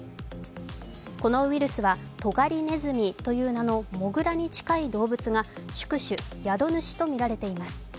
このウイルスはトガリネズミという名の、モグラに近い動物が宿主＝やどぬしとみられています。